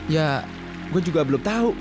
ya gue juga belum tahu